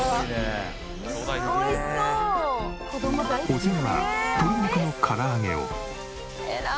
お次は鶏肉の唐揚げを。